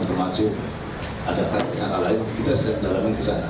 termasuk ada tersangka lain kita sedang mendalami di sana